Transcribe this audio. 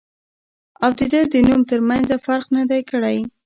او د دۀ د نوم تر مېنځه فرق نۀ دی کړی